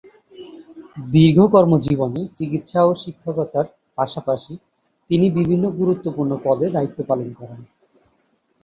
দীর্ঘ কর্মজীবনে চিকিৎসা ও শিক্ষকতার পাশাপাশি তিনি বিভিন্ন গুরুত্বপূর্ণ পদে দায়িত্ব পালন করেন।